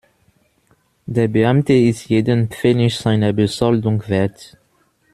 Der Beamte ist jeden Pfennig seiner Besoldung wert.